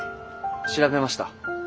調べました。